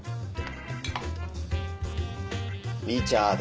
リチャード。